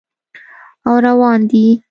او روان دي